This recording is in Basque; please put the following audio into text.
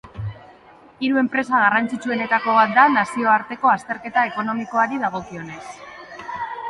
Hiru enpresa garrantzitsuenetako bat da nazioarteko azterketa ekonomikoari dagokionez.